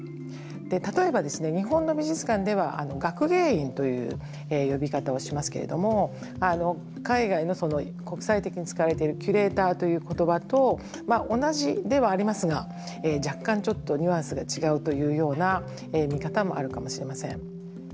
例えばですね日本の美術館では学芸員という呼び方をしますけれども海外の国際的に使われているキュレーターという言葉と同じではありますが若干ニュアンスが違うというような見方もあるかもしれません。